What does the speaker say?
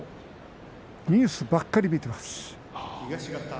ニュースばかり見ています。